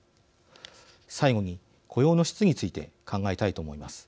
最後に雇用の質について考えたいと思います。